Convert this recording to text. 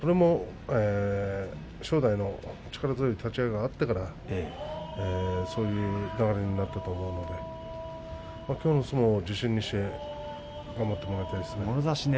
それも正代の力強い立ち合いがあったからそういう流れになったと思うのできょうの相撲を自信にして頑張ってもらいたいですね。